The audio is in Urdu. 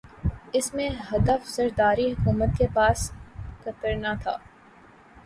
اس کا ہدف زرداری حکومت کے پر کترنا تھا۔